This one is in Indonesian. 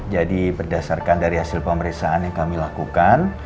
jadi berdasarkan dari hasil pemeriksaan yang kami lakukan